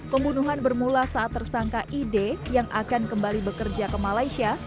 pembunuhan bermula saat tersangka id yang akan kembali bekerja ke malaysia